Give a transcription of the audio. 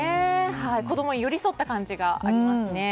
子供に寄り添った感じがありますね。